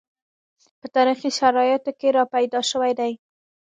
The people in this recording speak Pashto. په تاریخي شرایطو کې راپیدا شوي دي